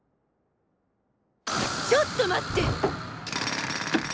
ちょっと待って！